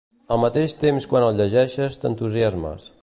Al mateix temps quan el llegeixes t'entusiasmes.